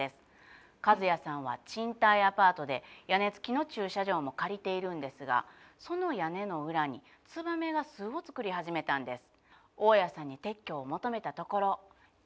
カズヤさんは賃貸アパートで屋根つきの駐車場も借りているんですがその屋根の裏にツバメが巣を作り始めたんです。